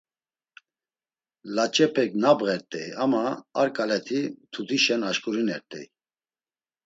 Laç̌epek nabğert̆ey, ama ar ǩaleti mtutişen aşǩurinert̆ey.